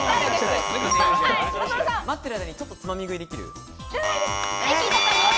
待ってる間にちょっとつまみ食いできる。